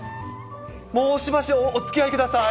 もうしばしおつきあいください。